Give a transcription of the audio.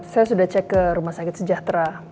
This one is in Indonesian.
saya sudah cek ke rumah sakit sejahtera